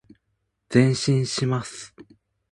前進します。